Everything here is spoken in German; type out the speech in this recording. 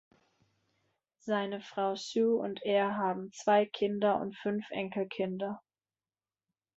Seine Frau Sue und er haben zwei Kinder und fünf Enkelkinder.